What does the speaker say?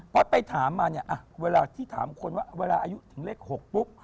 เพราะไปถามมาเนี่ยเวลาที่ถามคนว่าเวลาอายุถึงเลข๖ปุ๊บ